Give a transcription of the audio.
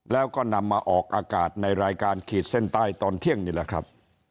แล้วก็นำมาออกอากาศในรายการขีดเส้นใต้ตอนเที่ยงนี่แหละครับ